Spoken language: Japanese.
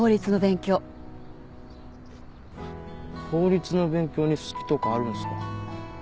法律の勉強に好きとかあるんすか？